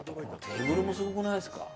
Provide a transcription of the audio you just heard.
テーブルもすごくないですか。